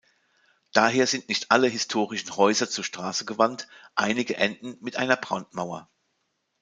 Daher sind nicht alle historistischen Häuser zur Straße gewandt, einige enden mit einer Brandmauer.